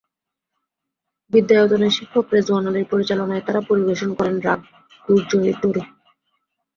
বিদ্যায়তনের শিক্ষক রেজোয়ান আলীর পরিচালনায় তাঁরা পরি-বেশন করেন রাগ গুর্জরি টোড়ি।